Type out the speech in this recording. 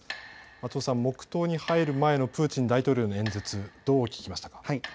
松尾さん、黙とうに入る前のプーチン大統領の演説、どう聞きましたか。